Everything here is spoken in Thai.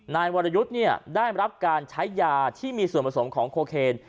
นายวรยุทธ์ได้รับการใช้ยาที่มีส่วนผสมของโคเคน